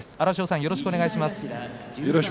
よろしくお願いします。